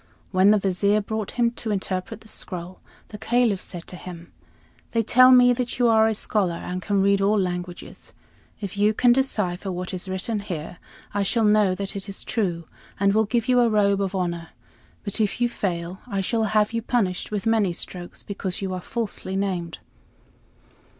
When the Vizier brought him to interpret the scroll, the Caliph said to him: "They tell me that you are a scholar and can read all languages. If you can decipher what is written here, I shall know that it is true, and will give you a robe of honor; but if you fail, I shall have you punished with many strokes, because you are falsely named."